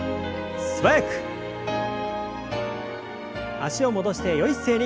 脚を戻してよい姿勢に。